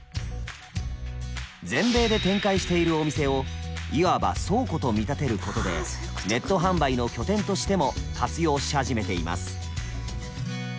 全米で展開しているお店をいわば倉庫と見立てることでネット販売の拠点としても活用し始めています。